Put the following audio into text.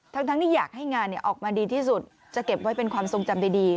ทั้งที่อยากให้งานออกมาดีที่สุดจะเก็บไว้เป็นความทรงจำดี